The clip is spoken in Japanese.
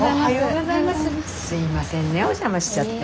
すいませんねお邪魔しちゃって。